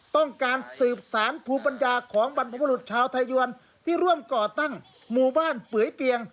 ต้องการสืบสารภูมิปัญญาของบรรพบุรุษชาวไทยยวนที่ร่วมก่อตั้งหมู่บ้านเปื่อยเปียง